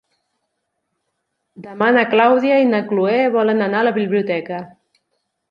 Demà na Clàudia i na Cloè volen anar a la biblioteca.